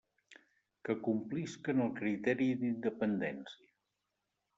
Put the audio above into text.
Que complisquen el criteri d'independència.